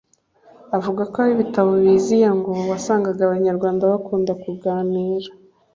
Avuga ko aho ibitabo biziye ngo wasangaga Abanyarwanda bakunda kuganira